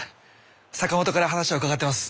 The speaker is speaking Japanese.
坂本から話は伺ってます。